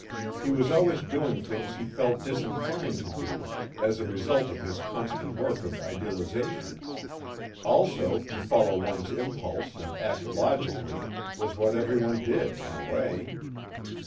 He was always doing things he felt disinclined to do, as a result of his constant work of idealization. Also, to follow one's impulse and act logically was what everyone did in a way.